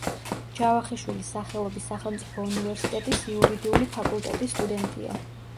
ჯავახიშვილის სახელობის სახელმწიფო უნივერსიტეტის იურიდიული ფაკულტეტის სტუდენტია.